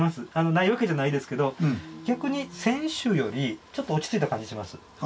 ないわけじゃないですけど逆に先週よりちょっと落ち着いた感じします腹水。